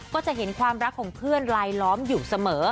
ก็จะเห็นความรักของเพื่อนลายล้อมอยู่เสมอ